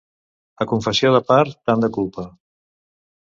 A confessió de part, tant de culpa.